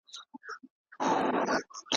هغه مینه مړه سوه چي مي هیله نڅېده ورته